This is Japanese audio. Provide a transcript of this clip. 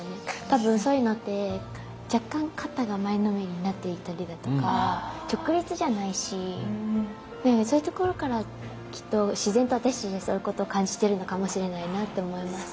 多分そういうのって若干肩が前のめりになっていたりだとか直立じゃないしそういうところからきっと自然と私たちはそういうことを感じてるのかもしれないなって思います。